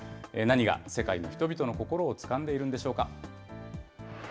何が世界の人々の心をつかんでいるんでしょうか。